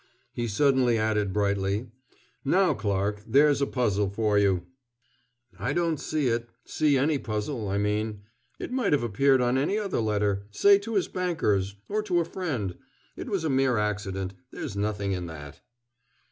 He suddenly added brightly: "Now, Clarke, there's a puzzle for you!" "I don't see it, see any puzzle, I mean. It might have appeared on any other letter, say to his bankers, or to a friend. It was a mere accident. There is nothing in that."